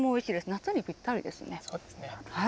夏にぴったりですね。